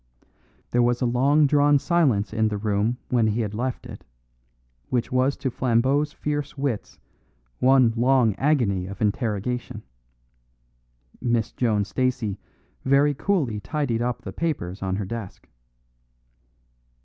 There was a long drawn silence in the room when he had left it, which was to Flambeau's fierce wits one long agony of interrogation. Miss Joan Stacey very coolly tidied up the papers on her desk.